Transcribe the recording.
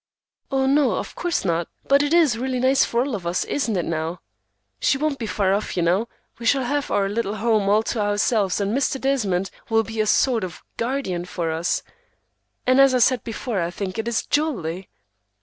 "Oh, no, of course not, but it is really nice for all of us, isn't it now? She won't be far off, you know; we shall have our little home all to ourselves, and Mr. Desmond will be a sort of guardian for us. And as I said before, I think it is jolly."